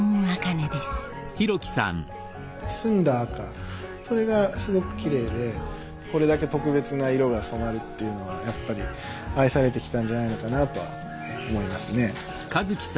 澄んだ赤それがすごくきれいでこれだけ特別な色が染まるっていうのはやっぱり愛されてきたんじゃないのかなとは思いますね。